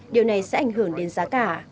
điều này sẽ ảnh hưởng đến giá cả